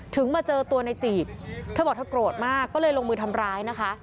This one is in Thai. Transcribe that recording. มาเจอตัวในจีดเธอบอกเธอโกรธมากก็เลยลงมือทำร้ายนะคะ